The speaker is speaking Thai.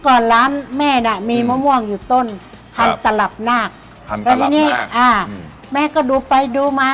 ก่อนร้านแม่น่ะมีมะม่วงอยู่ต้นครับคันตลับหน้าคันตลับหน้าอ่าแม่ก็ดูไปดูมา